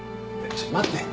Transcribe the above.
ちょっと待って！